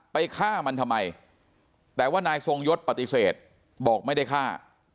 ฆ่ามันทำไมแต่ว่านายทรงยศปฏิเสธบอกไม่ได้ฆ่า